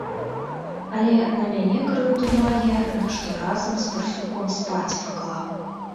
Але на мяне крыўду мае, нашто разам з парсюком спаць паклаў.